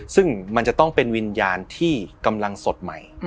ซึ่งมันจะต้องเป็นวิญญาณที่กำลังสดใหม่